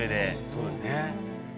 そうよね。